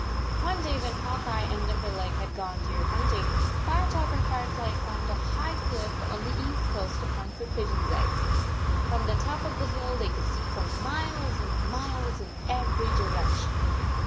ii One day when Hawk Eye and Limber leg had gone deer hunting, Firetop and Firefly climbed a high cliff on the east coast to hunt for pigeons eggs. From the top of the hill, they could see for miles and 117 miles in every direction.